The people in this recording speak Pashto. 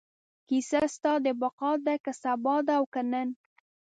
کیسه ستا د بقا ده، که سبا ده او که نن